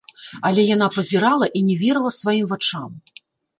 Але яна пазірала і не верыла сваім вачам.